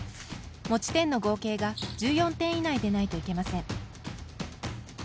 持ち点の合計が１４点以内でないといけません。